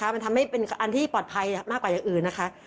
มันทำให้เป็นอันที่ปลอดภัยมากกว่าอย่างอื่นนะคะ